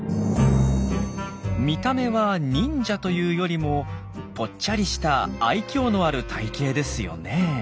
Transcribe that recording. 見た目は忍者というよりもぽっちゃりした愛きょうのある体型ですよねえ。